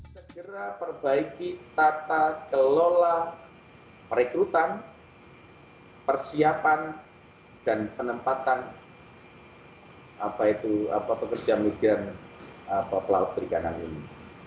segera perbaiki tata kelola perekrutan persiapan dan penempatan pekerja migran pelaut perikanan ini